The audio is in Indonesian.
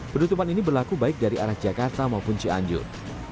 penutupan ini berlaku baik dari arah jakarta maupun cianjur